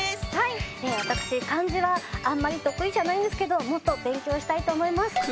はいわたくし漢字はあんまり得意じゃないんですけどもっと勉強したいと思います。